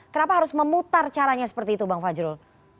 kenapa harus memutar caranya seperti itu bang fajrul